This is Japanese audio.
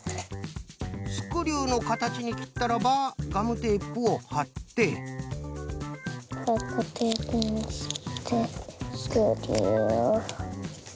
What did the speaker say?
スクリューのかたちにきったらばガムテープをはってわっかテープにしてスクリューを。